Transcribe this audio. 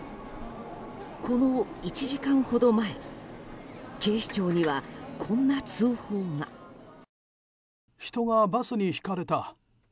この１時間ほど前警視庁にはこんな通報が。